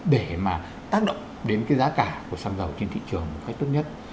để mà tác động đến cái giá cả của xăng dầu trên thị trường một cách tốt nhất